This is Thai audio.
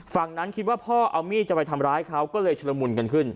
ฝั่งนั้นคิดว่าพ่อเอามีดจะไปทำร้ายเขาก็เลยชุดละมุนกันขึ้น